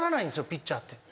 ピッチャーって。